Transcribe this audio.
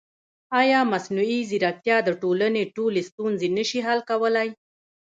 ایا مصنوعي ځیرکتیا د ټولنې ټولې ستونزې نه شي حل کولی؟